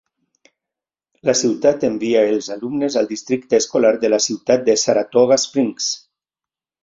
La ciutat envia els alumnes al districte escolar de la ciutat de Saratoga Springs.